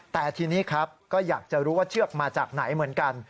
แต่ทีนี้ครับก็อยากจะรู้ว่าเชือกมาจากไหนเหมือนกัน